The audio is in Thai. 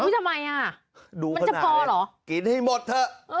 ทำไมอ่ะมันจะพอเหรอ